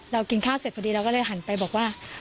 กินข้าวเสร็จพอดีเราก็เลยหันไปบอกว่า